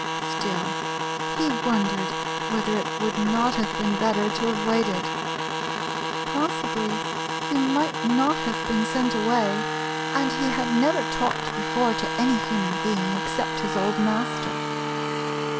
Still, he wondered whether it would not have been better to have waited. Possibly he might not have been sent away, and he had never talked before to any human being except his old master.